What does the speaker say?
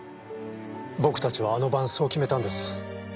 僕たちはあの晩そう決めたんです。